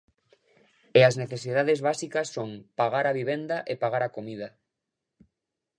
E as necesidades básicas son pagar a vivenda e pagar a comida.